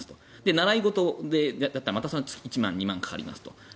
習い事だったら、また月２万円、３万円かかりますと。